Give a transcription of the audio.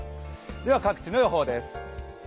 では各地の天気です。